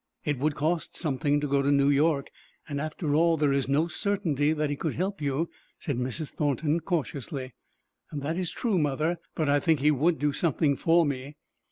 "It would cost something to go to New York, and after all there is no certainty that he could help you," said Mrs. Thornton, cautiously. "That is true, mother, but I think he would do something for me."